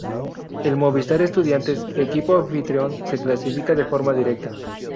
El Movistar Estudiantes, equipo anfitrión, se clasifica de forma directa.